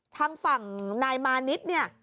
ทางฝั่งนายมานิดเนี่ย